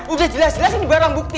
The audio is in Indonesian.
udah jelas jelas ini barang bukti